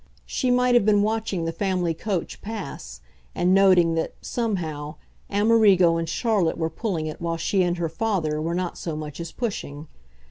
She might have been watching the family coach pass and noting that, somehow, Amerigo and Charlotte were pulling it while she and her father were not so much as pushing.